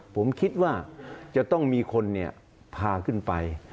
ผมคิดว่าจะต้องมีคนพาขึ้นไป